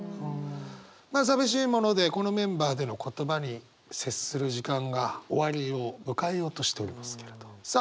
まあ寂しいものでこのメンバーでの言葉に接する時間が終わりを迎えようとしておりますけれどさあ